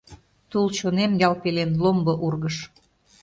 Тул чонем ял пелен Ломбо ургыш.